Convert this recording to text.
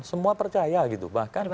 semua percaya gitu